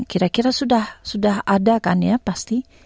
kira kira sudah ada kan ya pasti